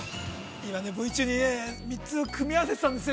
◆Ｖ中に三つを組み合わせてたんですよ。